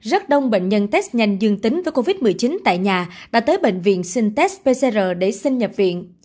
rất đông bệnh nhân test nhanh dương tính với covid một mươi chín tại nhà đã tới bệnh viện xin test pcr để sinh nhập viện